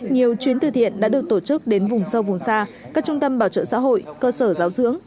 nhiều chuyến từ thiện đã được tổ chức đến vùng sâu vùng xa các trung tâm bảo trợ xã hội cơ sở giáo dưỡng